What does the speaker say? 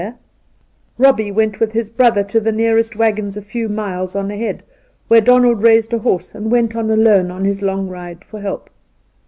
62 Soltke Robbie went with his brother to the nearest waggons a few miles on ahead, where Donald raised a horse and went on alone on his long ride for help.